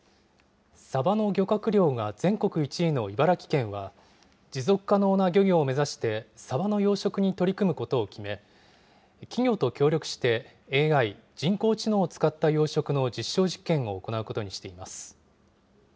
サバの漁獲量が全国１位の茨城県は、持続可能な漁業を目指してサバの養殖に取り組むことを決め、企業と協力して、ＡＩ・人工知能を使った養殖の実証実験を行うことにしています。